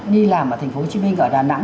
đi làm ở thành phố hồ chí minh ở đà nẵng